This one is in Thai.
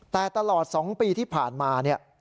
แต่ตลอด๒ปีที่ผ่านมา